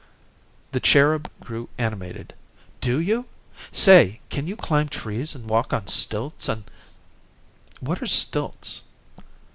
The "Cherub" grew animated. "Do you? Say, can you climb trees and walk on stilts and " "What are stilts?"